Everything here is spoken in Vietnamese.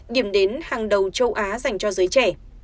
điểm đến hàng đầu châu á dành cho giới trẻ